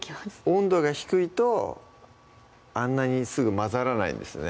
温度が低いとあんなにすぐ混ざらないんですね